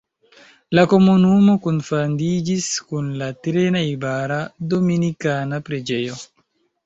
La komunumo kunfandiĝis kun la tre najbara Dominikana preĝejo.